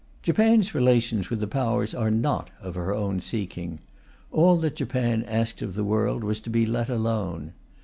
Japan's relations with the Powers are not of her own seeking; all that Japan asked of the world was to be let alone.